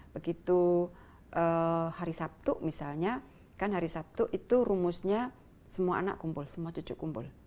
begitu hari sabtu misalnya kan hari sabtu itu rumusnya semua anak kumpul semua cucu kumpul